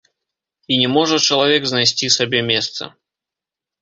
І не можа чалавек знайсці сабе месца.